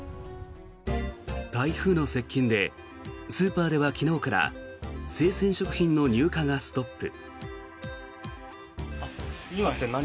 台風の接近でスーパーでは昨日から生鮮食品の入荷がストップ。